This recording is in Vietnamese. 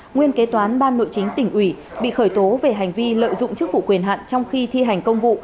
nguyên kế toán ban nội chính tỉnh ủy bị khởi tố về hành vi lợi dụng chức vụ quyền hạn trong khi thi hành công vụ